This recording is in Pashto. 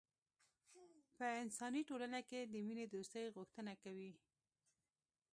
په انساني ټولنه کې د مینې دوستۍ غوښتنه کوي.